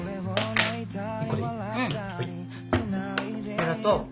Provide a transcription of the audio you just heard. ありがとう。